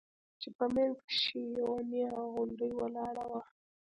چې په منځ کښې يې يوه نيغه غونډۍ ولاړه وه.